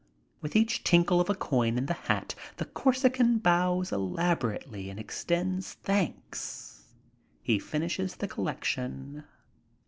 With each tinkle of a coin in the hat the Corsican bows elaborately and extends thanks. He finishes the collection.